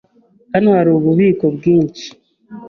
Hano hari ububiko bwinshi.